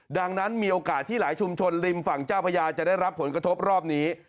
ดังนั้นมีโอกาสที่หลายชุมชนริมฝั่งเจ้าพญาจะได้รับผลกระทบรอบนี้